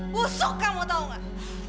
busuk kamu tau gak